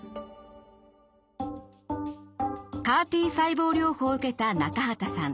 ＣＡＲ−Ｔ細胞療法を受けた中畠さん。